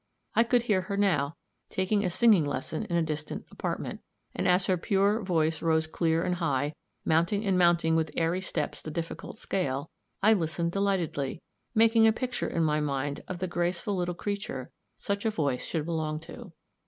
I could hear her, now, taking a singing lesson in a distant apartment, and as her pure voice rose clear and high, mounting and mounting with airy steps the difficult scale, I listened delightedly, making a picture in my mind of the graceful little creature such a voice should belong to.